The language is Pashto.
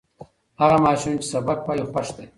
هغه ماشوم چې سبق وایي، خوښ دی.